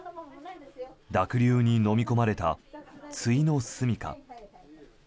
濁流にのみ込まれたついの住み家。